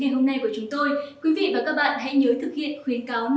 hẹn gặp lại quý vị trong các bản tin tiếp theo